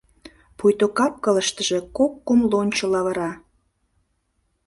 Пуйто кап-кылыштыже кок-кум лончо лавыра.